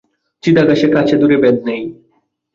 চিদাকাশে কাছে দূরে ভেদ নেই।